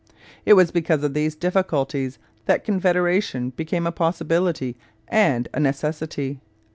It was because of these difficulties that Confederation became a possibility and a necessity.